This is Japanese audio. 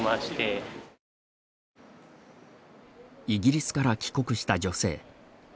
イギリスから帰国した女性。